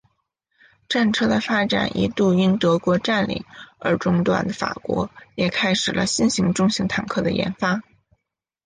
战车的发展一度因德国占领而中断的法国也开始了新型中型坦克的研发。